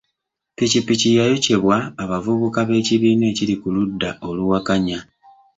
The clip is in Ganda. Ppikipiki yayokyebwa abavubuka b'ekibiina ekiri ku ludda oluwakanya.